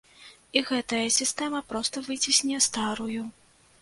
І гэтая сістэма проста выцісне старую.